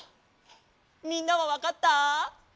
みんなはわかった？